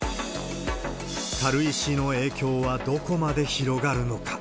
軽石の影響はどこまで広がるのか。